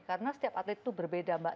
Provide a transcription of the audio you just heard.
karena setiap atlet itu berbeda mbak